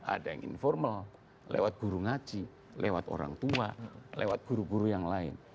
ada yang informal lewat guru ngaji lewat orang tua lewat guru guru yang lain